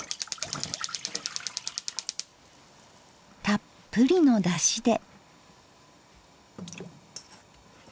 たっぷりのだしで。